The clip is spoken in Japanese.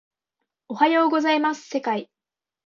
おはようございます世界